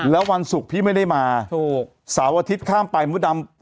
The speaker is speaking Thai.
แล้ววันศุกร์พี่ไม่ได้มาถูกเสาร์อาทิตย์ข้ามไปมดดำ